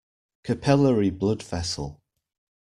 Capillary blood vessel.